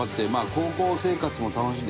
高校生活も楽しんでしっかり。